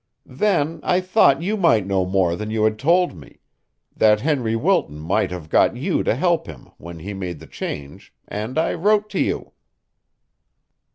Then I thought you might know more than you had told me that Henry Wilton might have got you to help him when he made the change, and I wrote to you."